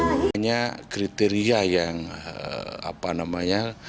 makanya kriteria yang apa namanya